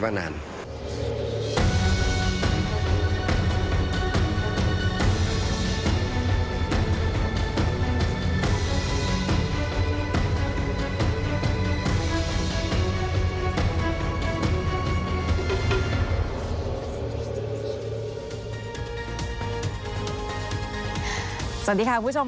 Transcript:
สวัสดีครับทุกคน